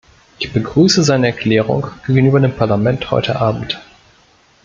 Ich begrüße seine Erklärung gegenüber dem Parlament heute Abend.